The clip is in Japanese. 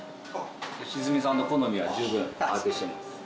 良純さんの好みは十分把握してます。